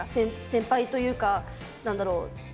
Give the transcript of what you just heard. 先輩というか何だろう。